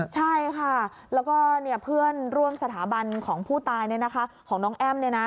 ใช่ค่ะแล้วก็เพื่อนร่วมสถาบันของผู้ตายของน้องแอ้ม